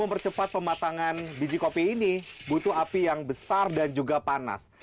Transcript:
mempercepat pematangan biji kopi ini butuh api yang besar dan juga panas